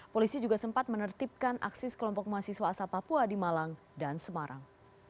polisi juga sempat menertibkan aksi sekelompok mahasiswa asal papua di malang dan semarang